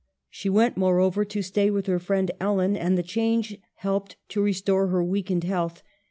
She went, moreover, to stay with her friend Ellen, and the change helped to restore her weakened health.